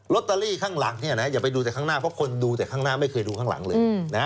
ตเตอรี่ข้างหลังอย่าไปดูแต่ข้างหน้าเพราะคนดูแต่ข้างหน้าไม่เคยดูข้างหลังเลย